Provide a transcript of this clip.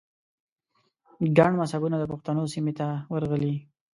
ګڼ مذهبونه د پښتنو سیمې ته ورغلي